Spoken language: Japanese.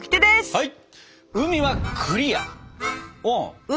はい。